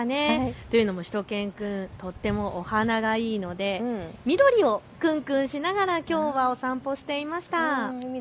というのもしゅと犬くんはとっても鼻がいいので緑をクンクンしながらきょうはお散歩していました。